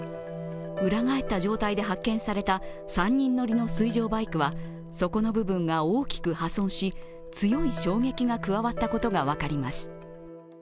裏返った状態で発見された３人乗りの水上バイクはそこの部分が大きく破損し、強い衝撃が加わったことが分かります。